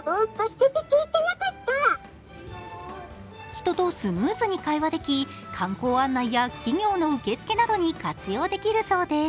人とスムーズに会話でき観光案内や企業の受付などに活用できるそうです。